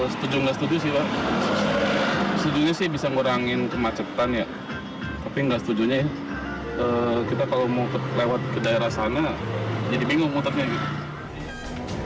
setuju nggak setuju sih pak setujunya sih bisa ngurangin kemacetan ya tapi nggak setujunya ya kita kalau mau lewat ke daerah sana jadi bingung motornya gitu